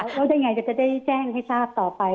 แล้วยังไงก็จะได้แจ้งให้ทราบต่อไป